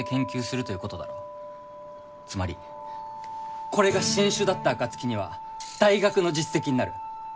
つまりこれが新種だった暁には大学の実績になる。